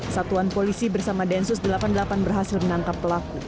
satuan polisi bersama densus delapan puluh delapan berhasil menangkap pelaku